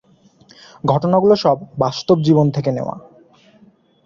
ঘটনাগুলো সব বাস্তব জীবন থেকে নেওয়া।